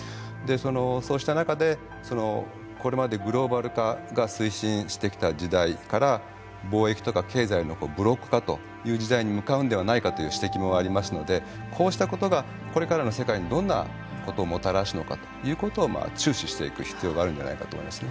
そうした中でこれまでグローバル化が推進してきた時代から貿易とか経済のブロック化という時代に向かうんではないかという指摘もありますのでこうしたことがこれからの世界にどんなことをもたらすのかということを注視していく必要があるんじゃないかと思いますね。